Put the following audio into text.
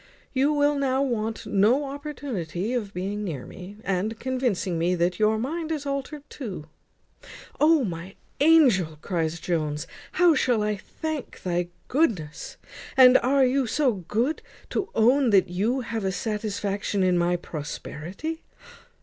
You will now want no opportunity of being near me, and convincing me that your mind is altered too." "O! my angel," cries Jones, "how shall I thank thy goodness! And are you so good to own that you have a satisfaction in my prosperity?